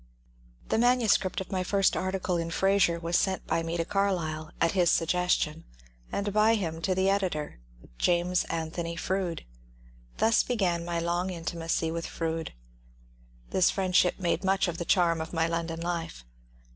The manuscript of my first article in " Fraser " was sent by me to Carlyle, at his suggestion, and by him to the editor, James Anthony Froude. Thus began my long intimacy with Froude. This friendship made much of the charm of my London life.